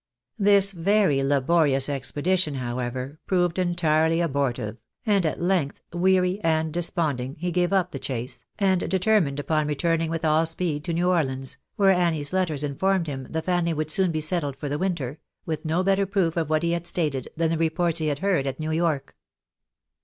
This very laborious expedition, however, proved entirely abortive, and at length, weary and desponding, he gave up the chase, and determined upon returning with all speed to New Orleans (where Annie's letters informed him the family would soon be settled for the winter), with no better proof of what he had stated, than the reports he had heard at New York.